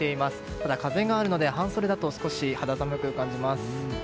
ただ風があるので半袖だと少し肌寒く感じます。